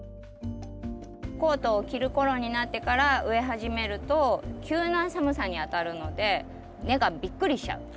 コートを着る頃になってから植え始めると急な寒さにあたるので根がびっくりしちゃう。